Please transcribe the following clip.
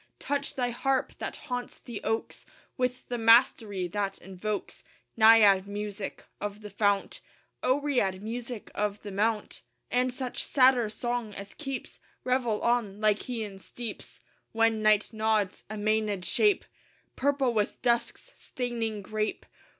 Touch thy harp, that haunts the oaks, With the mastery that invokes Naiad music of the fount, Oread music of the mount; And such satyr song as keeps Revel on Lycæan steeps, When night nods, a Mænad shape, Purple with dusk's staining grape.